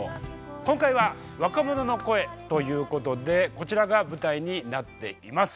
今回は若者の声ということでこちらが舞台になっています。